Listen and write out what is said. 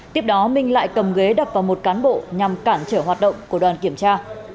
tiếp đó minh lại cầm ghế đập vào một cán bộ nhằm cản trở hoạt động của đoàn kiểm tra